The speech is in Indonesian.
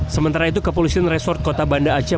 sementara itu kepolisian resort kota banda aceh